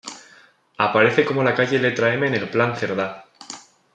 Aparece como la calle letra M en el Plan Cerdá.